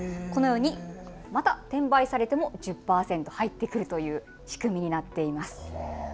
このように、また転売されても１０％入ってくるという仕組みになっています。